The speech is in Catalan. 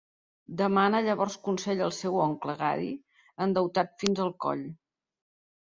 Demana llavors consell al seu oncle Gary, endeutat fins al coll.